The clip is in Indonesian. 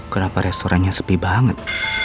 kenapa restorannya sepi banget